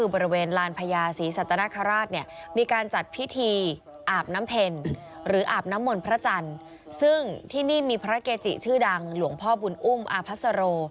พระเกจิชื่อดังหลวงพ่อบุญอุ้มอภัษโร